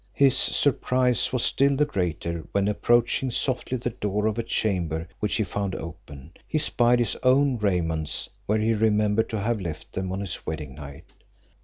His surprise was still the greater, when approaching softly the door of a chamber which he found open, he spied his own raiments where he remembered to have left them on his wedding night.